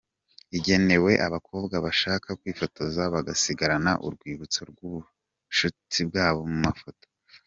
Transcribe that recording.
Igenewe abakobwa bashaka kwifotoza bagasigarana urwibutso rw’ubushuti bwabo mu mafoto.